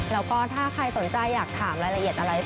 แล้วก็ถ้าใครสนใจอยากถามรายละเอียดอะไร